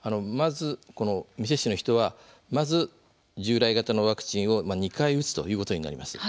未接種の人はまず従来型のワクチンを２回打つということになります。